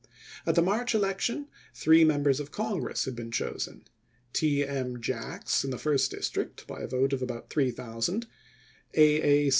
At the March election three Members of Congress had been chosen : T. M. Jacks in the first district, by a vote of about 3000 ; A. A. C.